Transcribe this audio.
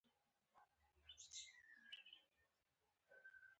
دغه بنسټونه د وینز په برخلیک اخته شول.